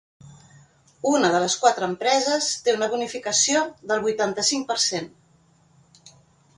Una de les quatre empreses té una bonificació del vuitanta-cinc per cent.